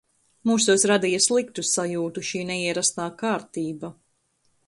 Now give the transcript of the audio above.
Mūsos radīja sliktu sajūtu šī neierastā kārtība.